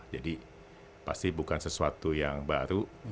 jadi pasti bukan sesuatu yang baru